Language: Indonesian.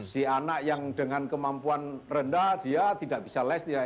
si anak yang dengan kemampuan rendah dia tidak bisa les